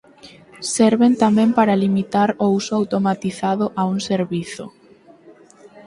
Serven tamén para limitar o uso automatizado a un servizo.